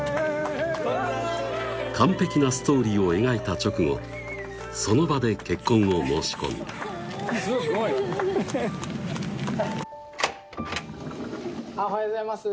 完璧なストーリーを描いた直後その場で結婚を申し込んだあっおはようございます